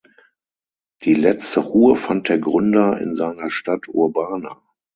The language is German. Die letzte Ruhe fand der Gründer in seiner Stadt Urbana.